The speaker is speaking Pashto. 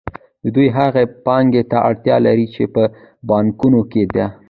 دوی هغې پانګې ته اړتیا لري چې په بانکونو کې ده